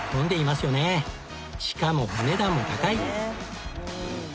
しかもお値段も高い！